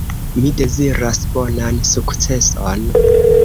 Mi deziras bonan sukceson.